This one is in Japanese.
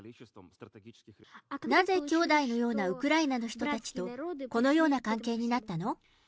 なぜ兄弟のようなウクライナの人たちとこのような関係になったの？